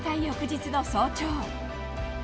翌日の早朝。